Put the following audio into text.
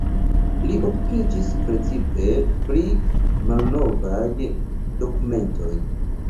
Li okupiĝis precipe pri malnovaj dokumentoj.